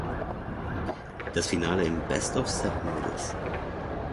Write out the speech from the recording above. Das Finale im Best-of-Seven-Modus.